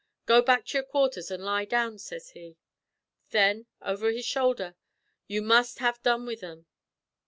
Go back to your quarthers an' lie down,' sez he. Thin, over his shoulder, 'You must ha' done with thim.'